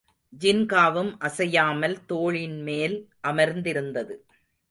ஜின்காவும் அசையாமல் தோளின்மேல் அமர்ந்திருந்தது.